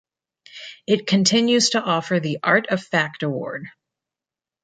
It continues to offer the Art of Fact Award.